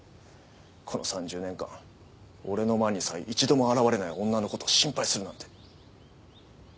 この３０年間俺の前にさえ一度も現れない女の事を心配するなんて。